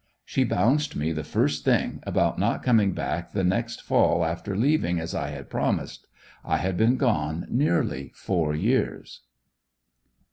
She bounced me the first thing about not coming back the next fall after leaving as I had promised. I had been gone nearly four years.